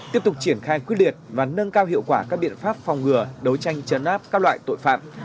tiếp tục triển khai quyết liệt và nâng cao hiệu quả các biện pháp phòng ngừa đấu tranh chấn áp các loại tội phạm